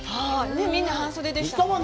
みんな半袖でしたね。